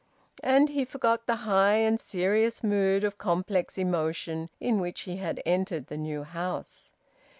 And he forgot the high and serious mood of complex emotion in which he had entered the new house.